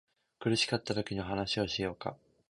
苦しかったときの話をしようか